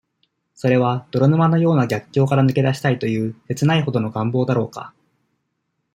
それは、泥沼のような逆境からぬけだしたいという、切ないほどの願望だろうか。